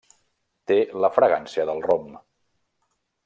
Té la fragància del rom.